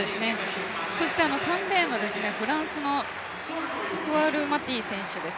そして３レーンの、フランスのクワウマティ選手。